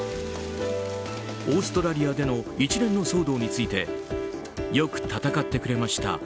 オーストラリアでの一連の騒動についてよく戦ってくれました